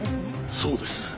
そうです。